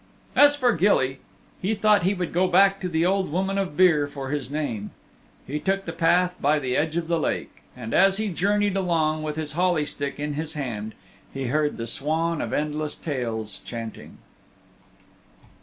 As for Gilly, he thought he would go back to the Old Woman of Beare for his name. He took the path by the edge of the lake. And as he journeyed along with his holly stick in his hand he heard the Swan of Endless Tales chanting.